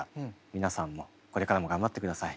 皆さんもこれからも頑張ってください。